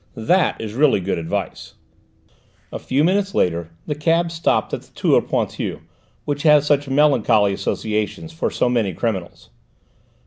That is really good advice!" A few minutes later the cab stopped at the Tour Pointue which has such melancholy associations for so many criminals.